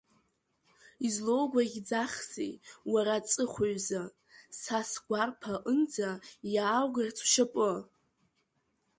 Излоугәаӷьӡахзеи, уара, ҵыхәаҩзы, са сгәарԥа аҟынӡа иааугарц ушьапы?!